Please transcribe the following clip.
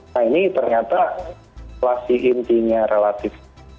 nah ini ternyata inflasi intinya relatif